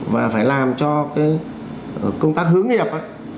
và phải làm cho cái công tác hướng nghiệp